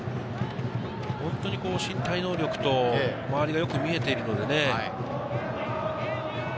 本当に身体能力と、周りがよく見えているので。